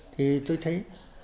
thì tôi thấy